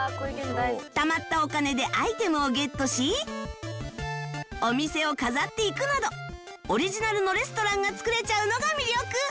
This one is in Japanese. たまったお金でアイテムをゲットしお店を飾っていくなどオリジナルのレストランが作れちゃうのが魅力